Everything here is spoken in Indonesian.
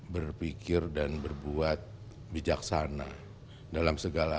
berpikir dan berbuat bijaksana dalam segala